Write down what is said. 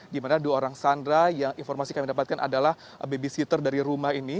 di mana dua orang sandra yang informasi kami dapatkan adalah babysitter dari rumah ini